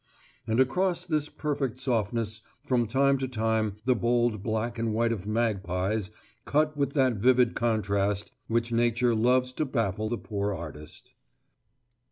And across this perfect softness from time to time the bold black and white of magpies cut with that vivid contrast with which Nature loves to baffle the poor artist.